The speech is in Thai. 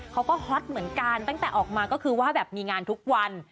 ฮอตเหมือนกันตั้งแต่ออกมาก็คือว่าแบบมีงานทุกวัน